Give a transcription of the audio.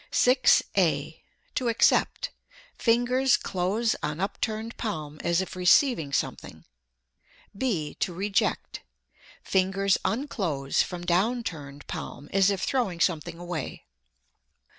6. (a) To accept: fingers close on upturned palm as if receiving something; (b) to reject: fingers unclose from down turned palm as if throwing something away.